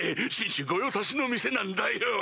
紳士御用達の店なんだよ！